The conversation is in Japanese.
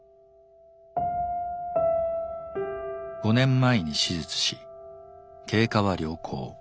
５年前に手術し経過は良好。